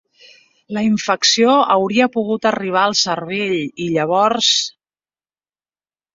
La infecció hauria pogut arribar al cervell, i llavors...